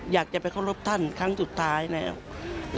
อยากจะไปเคารพท่านครั้งสุดท้ายแล้ว